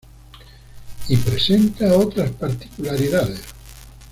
Y presenta otras particularidades.